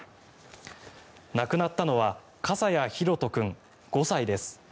亡くなったのは笠谷拓杜君５歳です。